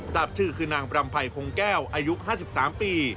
ทราบชื่อคือนางปรำภัยคงแก้วอายุ๕๓ปี